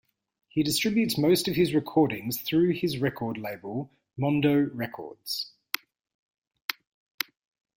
He distributes most of his recordings through his record label Mondo Records.